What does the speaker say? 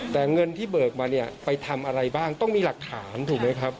แต่เงินที่เบิกมาเนี่ยไปทำอะไรบ้างต้องมีหลักฐานถูกไหมครับ